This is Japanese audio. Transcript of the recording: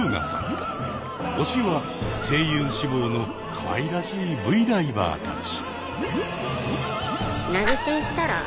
推しは声優志望のかわいらしいＶライバーたち。